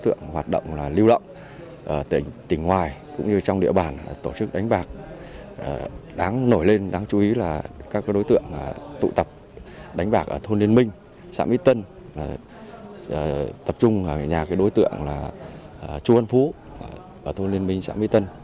ổ nhóm chuyên đánh bạc đáng nổi lên đáng chú ý là các đối tượng tụ tập đánh bạc ở thôn liên minh xã mỹ tân tập trung ở nhà đối tượng chu văn phú thôn liên minh xã mỹ tân